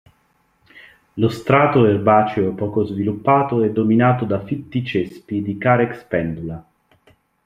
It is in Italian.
Lo strato erbaceo, poco sviluppato, è dominato da fitti cespi di Carex pendula.